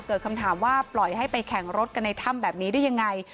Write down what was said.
เกิดคำถามว่าปล่อยให้ไปแข่งรถกันในถ้ำแบบนี้ได้ยังไง